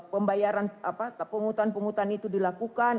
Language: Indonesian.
pembayaran pungutan pungutan itu dilakukan